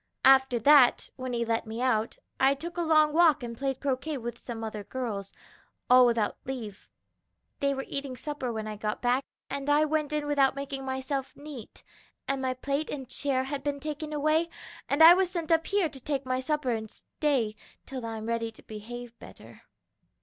"After that, when he let me out, I took a long walk and played croquet with some other girls all without leave. "They were eating supper when I got back, and I went in without making myself neat, and my plate and chair had been taken away, and I was sent up here to take my supper and stay till I'm ready to behave better."